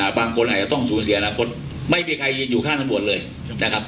บางคนอาจจะต้องสูญเสียอนาคตไม่มีใครยืนอยู่ข้างตำรวจเลยนะครับ